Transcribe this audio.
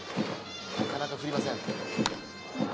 なかなか振りません。